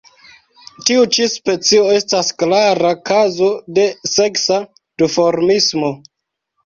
Tiu ĉi specio estas klara kazo de seksa duformismo.